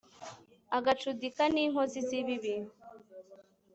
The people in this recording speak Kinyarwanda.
agacudika n'inkozi z'ibibi